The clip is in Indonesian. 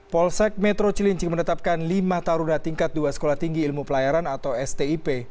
polsek metro cilincing menetapkan lima taruna tingkat dua sekolah tinggi ilmu pelayaran atau stip